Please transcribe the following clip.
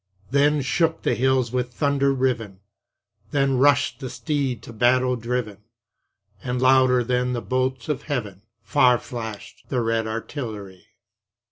Then shook the hills with thunder riven, Then rushed the steed to battle driven, And louder than the bolts of heaven, Far flashed the red artillery.